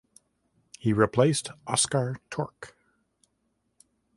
He replaced Oskar Tork.